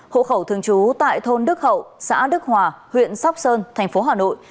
hộ khẩu thường trú tại thôn đức hậu xã đức hòa huyện sóc sơn thành phố hà nội